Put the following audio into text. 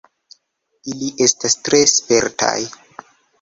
Ili estas tre spertaj.